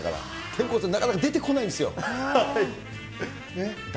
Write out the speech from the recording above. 天功さん、なかなか出てこないんですよ。